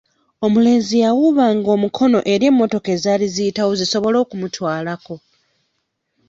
Omulenzi yawuubanga omukono eri emmotoka ezaali eziyitawo zisobole okumutwalako.